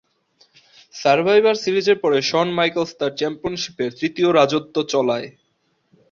Survivor সিরিজের পরে শন Michael's তার চ্যাম্পিয়নশীপের তৃতীয় রাজত্ব চলায়।